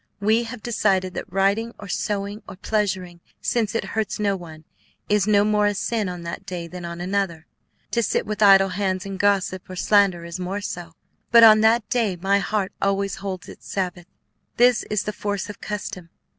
We have decided that writing or sewing or pleasuring, since it hurts no one, is no more a sin on that day than on another; to sit with idle hands and gossip or slander is more so. But on that day my heart always holds its Sabbath; this is the force of custom.